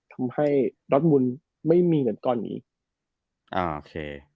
ทำให้รถมุนไม่มีเงินก่อนอีก